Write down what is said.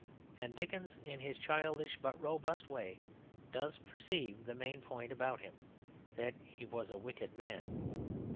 And Dickens in his childish but robust way does perceive the main point about him: that he was a wicked man.